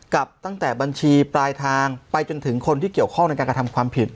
กับตั้งแต่บัญชีปลายทางไปจนถึงคนที่เกี่ยวข้องในการกระทำความผิด